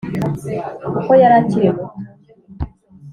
kuko yari akiri muto